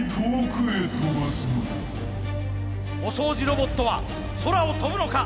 お掃除ロボットは空を跳ぶのか。